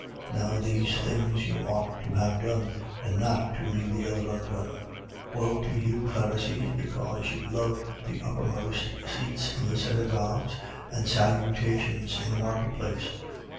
Now these things you ought to have done, and not to leave the other undone. 11:43. Woe to you, Pharisees, because you love the uppermost seats in the synagogues and salutations in the marketplace.